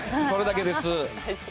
それだけです。